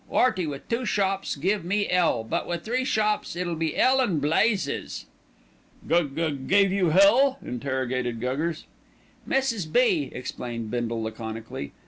'Earty with two shops give me 'ell; but with three shops it'll be 'ell and blazes." "Gug gug gave you hell?" interrogated Guggers. "Mrs. B.," explained Bindle laconically.